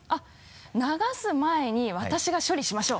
流す前に私が処理しましょう！